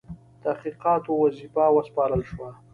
تحقیقاتو وظیفه وسپارله شوه.